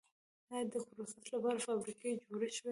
آیا دپروسس لپاره فابریکې جوړې شوي؟